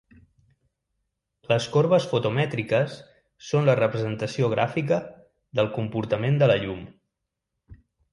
Les corbes fotomètriques són la representació gràfica del comportament de la llum.